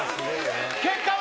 結果は？